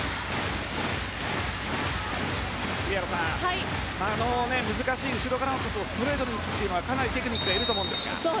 栗原さん、あの難しい後ろからのトスをストレートで打つというのはテクニックがいると思いますが。